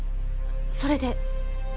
それで？